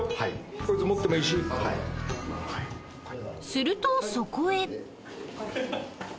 ［するとそこへ］